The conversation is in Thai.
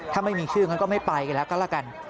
ถ้าไม่มีชื่องั้นก็ไม่ไปกันแล้วก็ละกัน